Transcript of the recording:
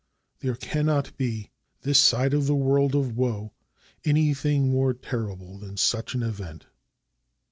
There cannot be, this side of the world of woe, anything more terrible than such an event.